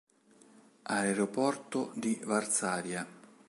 Aeroporto di Varsavia